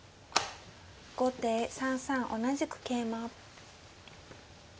後手３三同じく桂馬。